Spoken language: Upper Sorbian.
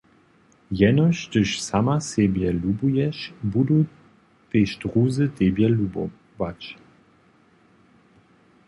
Jenož hdyž sama sebje lubuješ, budu tež druzy tebje lubować.«